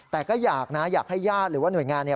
แต่ก็อยากนะอยากให้ญาติหรือว่าหน่วยงาน